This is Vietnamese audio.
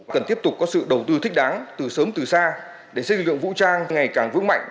cần tiếp tục có sự đầu tư thích đáng từ sớm từ xa để xây lực lượng vũ trang ngày càng vững mạnh